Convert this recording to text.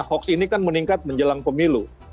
hoax ini kan meningkat menjelang pemilu